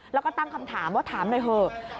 แล้วก็ตั้งคำถามว่าถามหน่อยเถอะ